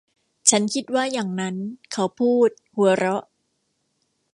ฉันคิดว่าอย่างนั้น เขาพูด หัวเราะ